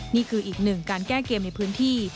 นี่คืออีกหนึ่งการแก้เกมในพื้นที่